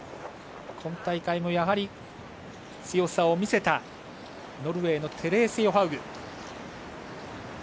今大会もやはり強さを見せたノルウェーのテレーセ・ヨハウグ。